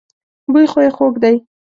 بوی خو يې خوږ دی.